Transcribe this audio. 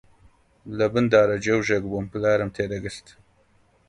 لەبن دارەگێوژێک بووم، پلارم تێ دەگرت